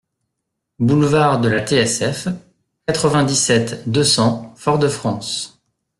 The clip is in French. Boulevard de la T.S.F., quatre-vingt-dix-sept, deux cents Fort-de-France